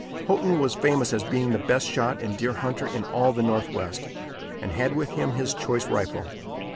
Houghton was famous as being the best shot and deer hunter in all the Northwest, and had with him his choice rifle.